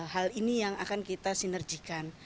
hal ini yang akan kita sinerjikan